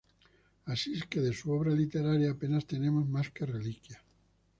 Así es que de su obra literaria apenas tenemos más que reliquias.